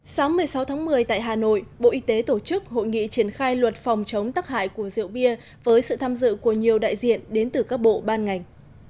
sáng một mươi sáu tháng một mươi tại hà nội bộ y tế tổ chức hội nghị triển khai luật phòng chống tắc hại của rượu bia với sự tham dự của nhiều đại diện đến từ các bộ ban ngành